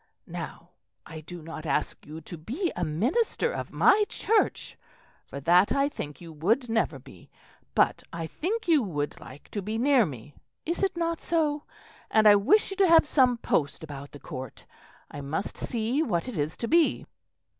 Now I do not ask you to be a minister of my Church, for that, I think, you would never be; but I think you would like to be near me is it not so? And I wish you to have some post about the Court; I must see what it is to be."